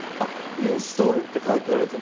「インストール」って書いてあるやつは無料なんですね。